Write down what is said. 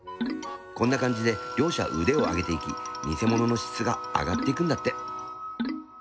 こんな感じで両者腕を上げていきニセ物の質が上がっていくんだって。